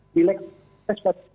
pilek dan pilpres